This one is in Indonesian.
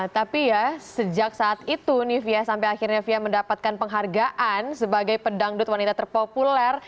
tapi ya sejak saat itu nih fia sampai akhirnya fia mendapatkan penghargaan sebagai pedangdut wanita terpopuler